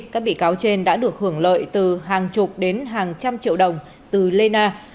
các bị cáo trên đã được hưởng lợi từ hàng chục đến hàng trăm triệu đồng từ lê na